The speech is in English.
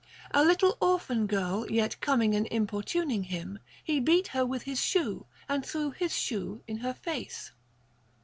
A little orphan girl yet coming and importuning him, he beat her with his shoe, and threw his shoe in her face.